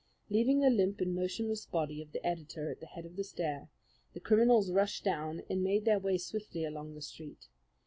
Leaving the limp and motionless body of the editor at the head of the stair, the criminals rushed down and made their way swiftly along the street.